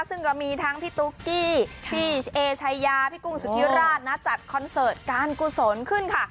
ซึ่งก็มีทั้งพี่ตุ๊กกี้พี่เอชายาพี่กุ้งสุธิราชนะจัดคอนเสิร์ตการกุศลขึ้นค่ะ